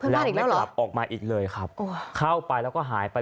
แล้วไม่กลับออกมาอีกเลยครับเข้าไปแล้วก็หายไป